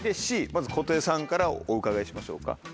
まず小手さんからお伺いしましょうか。